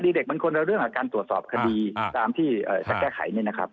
เด็กมันคนละเรื่องกับการตรวจสอบคดีตามที่จะแก้ไขเนี่ยนะครับ